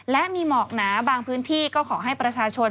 และมีหมอกหนาบางพื้นที่ก็ขอให้ประชาชน